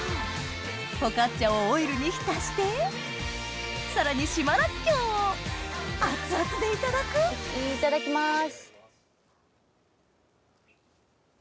フォカッチャをオイルに浸してさらに島らっきょうを熱々でいだたくいただきます。